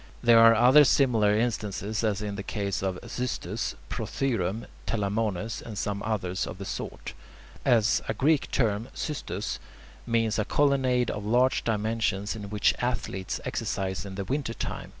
There are other similar instances as in the case of "xystus," "prothyrum," "telamones," and some others of the sort. As a Greek term, [Greek: xystos] means a colonnade of large dimensions in which athletes exercise in the winter time.